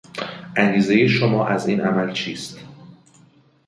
انگیزه شما از این عمل چیست؟